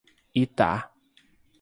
Itá